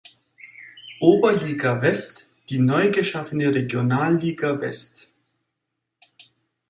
Oberliga West die neugeschaffene Regionalliga West.